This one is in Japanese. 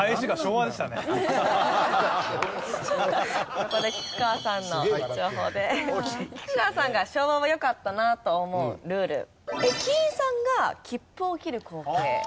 ここで菊川さんの情報で菊川さんが昭和はよかったなと思うルール駅員さんが切符を切る光景。